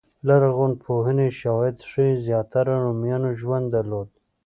لرغونپوهنې شواهد ښيي زیاتره رومیانو ژوند درلود